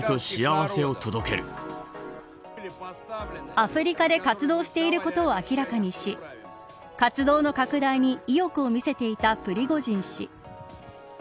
アフリカで活動していることを明らかにし活動の拡大に意欲を見せていたプリゴジン氏。